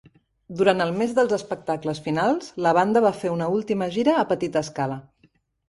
Durant el mes dels espectacles finals, la banda va fer una última gira a petita escala.